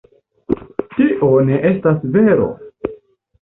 Tio ne estas vero.